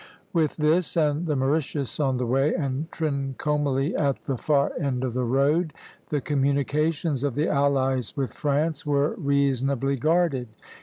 With this and the Mauritius on the way, and Trincomalee at the far end of the road, the communications of the allies with France were reasonably guarded.